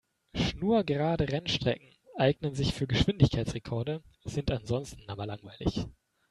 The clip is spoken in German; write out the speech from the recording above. Schnurgerade Rennstrecken eignen sich für Geschwindigkeitsrekorde, sind ansonsten aber langweilig.